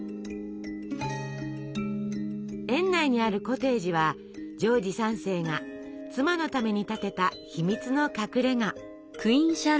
園内にあるコテージはジョージ３世が妻のために建てた秘密の隠れが。